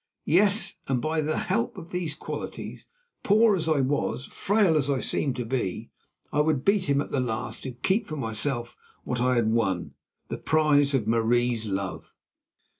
Yes, and that by the help of these qualities, poor as I was and frail as I seemed to be, I would beat him at the last and keep for myself what I had won, the prize of Marie's love.